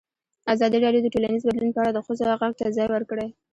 ازادي راډیو د ټولنیز بدلون په اړه د ښځو غږ ته ځای ورکړی.